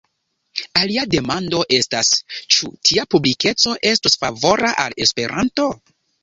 Alia demando estas, ĉu tia publikeco estus favora al Esperanto.